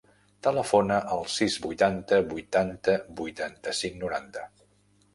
Telefona al sis, vuitanta, vuitanta, vuitanta-cinc, noranta.